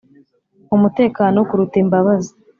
umutekano kuruta imbabazi